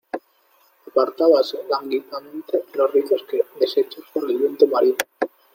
apartábase lánguidamente los rizos que, deshechos por el viento marino